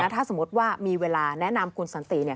ถ้าสมมติว่ามีเวลาแนะนำคุณสันติ